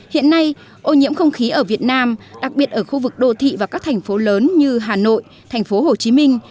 hiện nay ô nhiễm không khí ở việt nam đặc biệt ở khu vực đô thị và các thành phố lớn như hà nội thành phố hồ chí minh